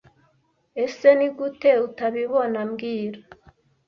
eseNigute utabibona mbwira